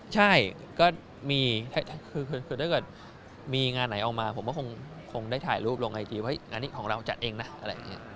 ใช่ก็มีคือถ้าเกิดมีงานไหนออกมาผมก็คงได้ถ่ายรูปลงไอจีว่างานนี้ของเราจัดเองนะอะไรอย่างนี้